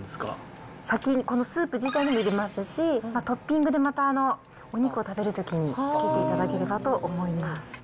これ、先、このスープ自体にも入れますし、トッピングでまたお肉を食べるときにつけていただけるかなと思います。